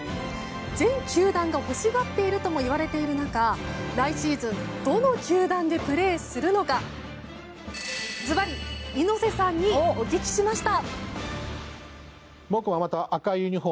全球団が欲しがっているともいわれている中来シーズン、どの球団でプレーするのかずばり猪瀬さんにお聞きしました。